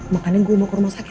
makanya gue mau ke rumah sakit